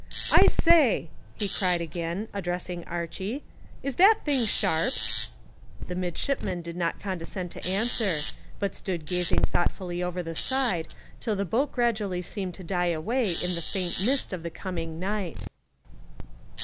"I say," he cried again, addressing Archy, "is that thing sharp?" The midshipman did not condescend to answer, but stood gazing thoughtfully over the side, till the boat gradually seemed to die away in the faint mist of the coming night.